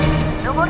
nomor yang ada di